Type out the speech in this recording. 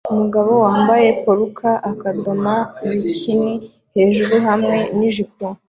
Umugabo wambaye polka akadomo bikini hejuru hamwe nijipo